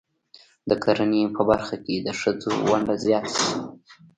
د کرنې په برخه کې د ښځو ونډه زیاته شي.